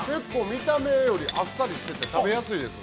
◆見た目より、あっさりしてて食べやすいです。